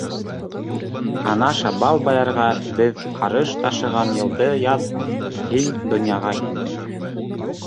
Ана Шабал баярға беҙ арыш ташыған йылды яҙ һин донъяға килдең.